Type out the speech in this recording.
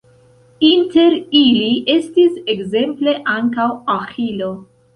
Inter ili estis ekzemple ankaŭ Aĥilo.